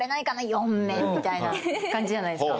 ４面みたいな感じじゃないですか